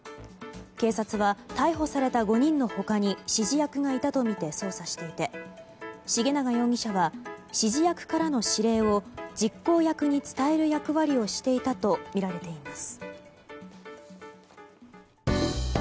警察は逮捕された５人の他に指示役がいたとみて捜査していて重永容疑者は指示役からの指令を実行役に伝える役割をしていたとみられています。